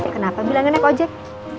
kenapa bilangnya naik ojek